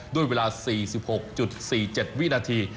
ด้วยเวลา๔๖๔๗วินาที